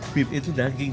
bib itu daging